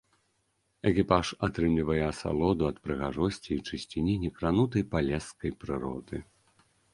Экіпаж атрымлівае асалоду ад прыгажосці і чысціні некранутай палескай прыроды.